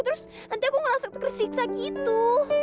terus nanti aku ngerasa tersiksa gitu